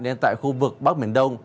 nên tại khu vực bắc biển đông